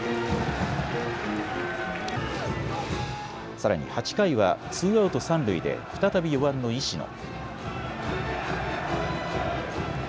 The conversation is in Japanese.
さらに８回はツーアウト三塁で再び４番の石野。